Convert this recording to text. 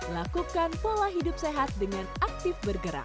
lakukan pola hidup sehat dengan aktif bergerak